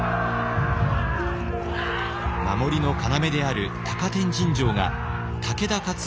守りの要である高天神城が武田勝頼に攻撃を受け